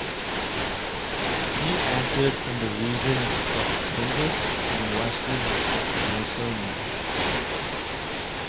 He acted in the region of Pindus and Western Macedonia.